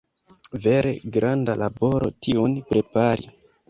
Vere granda laboro tiun prepari.